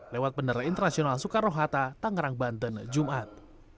lewat penerbangan internasional soekarno hatta tanggerang banten jumat